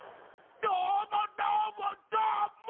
どーもどーもどーも！